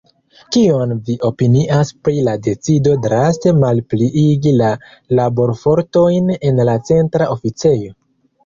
Kion vi opinias pri la decido draste malpliigi la laborfortojn en la Centra Oficejo?